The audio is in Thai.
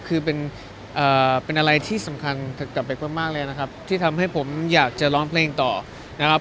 คือเป็นอะไรที่สำคัญกลับไปเพิ่มมากเลยนะครับที่ทำให้ผมอยากจะร้องเพลงต่อนะครับ